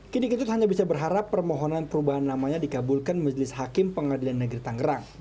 kini kentut hanya bisa berharap permohonan perubahan namanya digabulkan majlis hakim pengadilan negeri tangerang